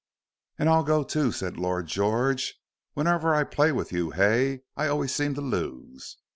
"And I'll go too," said Lord George. "Whenever I play with you, Hay, I always seem to lose."